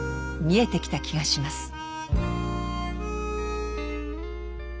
見えてきた気がします。